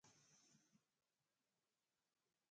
کتیݨوۡ شِشوووِی اللہ تعالیٰ سمولوۡ۔